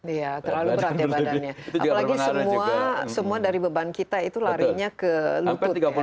iya terlalu berat ya badannya apalagi semua dari beban kita itu larinya ke lutut ya